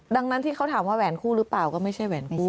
ดังนั้นที่เขาถามว่าแหวนคู่หรือเปล่าก็ไม่ใช่แหวนคู่